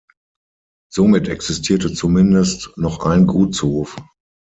Somit existierte zumindest noch ein Gutshof.